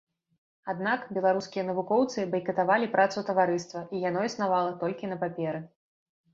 Аднак беларускія навукоўцы байкатавалі працу таварыства, і яно існавала толькі на паперы.